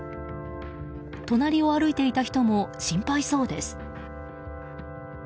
隣を歩いていた人も心配そうです。